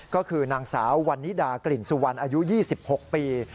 ก็คือนางสาววันนิดากลิ่นสุวรรณอายุ๒๖ปี